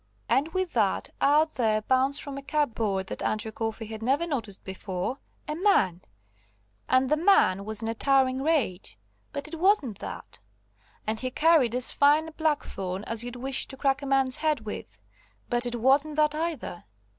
And with that, out there bounced from a cupboard that Andrew Coffey had never noticed before, a man. And the man was in a towering rage. But it wasn't that. And he carried as fine a blackthorn as you'd wish to crack a man's head with. But it wasn't that either.